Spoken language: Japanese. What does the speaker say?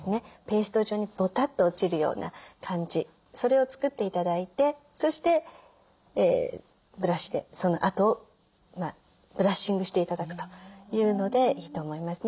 ペースト状にボタッと落ちるような感じそれを作って頂いてそしてブラシでその跡をブラッシングして頂くというのでいいと思います。